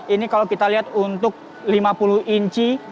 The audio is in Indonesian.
ini kalau kita lihat untuk lima puluh inci